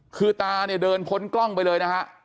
คือตาเนี่ยเดินพ้นกล้องไปเลยนะฮะ